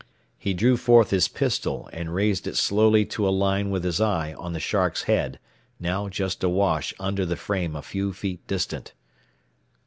He drew forth his pistol and raised it slowly to a line with his eye on the shark's head, now just awash under the frame a few feet distant.